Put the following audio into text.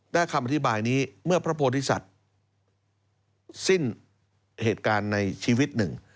และคำอธิบายนี้เมื่อพระโพธิสัตว์สิ้นเหตุการณ์ในชีวิตหนึ่ง